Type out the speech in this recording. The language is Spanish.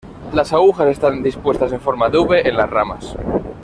Las agujas están dispuestas en forma de V en las ramas.